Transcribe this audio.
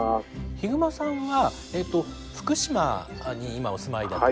ヒグマさんは福島に今お住まいだと。